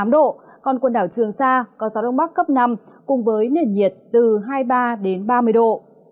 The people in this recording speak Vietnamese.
hai mươi hai hai mươi tám độ còn quần đảo trường sa có gió đông bắc cấp năm cùng với nền nhiệt từ hai mươi ba ba mươi độ